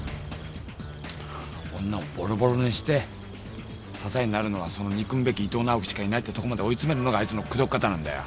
女をボロボロにして支えになるのはその憎むべき伊藤直季しかいないってとこまで追い詰めるのがあいつの口説き方なんだよ。